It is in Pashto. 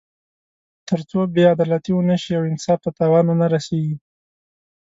تر څو بې عدالتي ونه شي او انصاف ته تاوان ونه رسېږي.